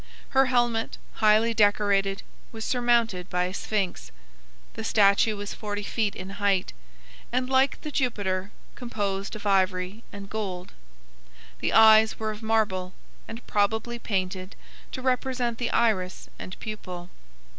Her helmet, highly decorated, was surmounted by a Sphinx. The statue was forty feet in height, and, like the Jupiter, composed of ivory and gold. The eyes were of marble, and probably painted to represent the iris and pupil.